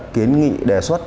kiến nghị đề xuất